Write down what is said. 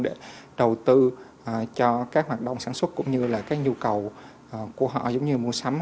để đầu tư cho các hoạt động sản xuất cũng như là các nhu cầu của họ giống như mua sắm